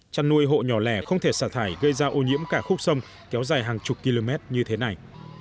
chăn nuôi hộ nhỏ lẻ không thể xả thải gây ra ô nhiễm cả khúc sông kéo dài hàng chục km như thế này